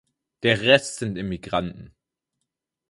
Der Rest sind Immigranten.